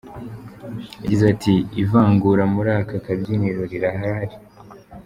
Yagize ati “Ivangura muri aka kabyiniro rirahari.